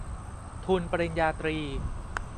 ทุนปริญญาตรี